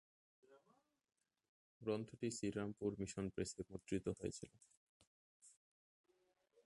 গ্রন্থটি শ্রীরামপুর মিশন প্রেসে মুদ্রিত হয়েছিল।